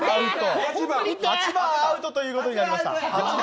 ８番アウトということになりました。